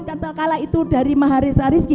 dan terkala itu dari maharija rizki